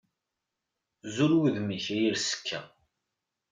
Zur wudem-ik a yir sseka.